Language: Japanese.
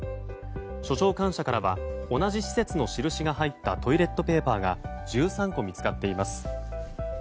署長官舎からは同じ施設の印が入ったトイレットペーパーが１３個見つかっています。